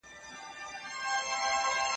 روښانه فکر وخت نه دروي.